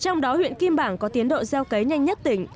trong đó huyện kim bảng có tiến độ gieo cấy nhanh nhất tỉnh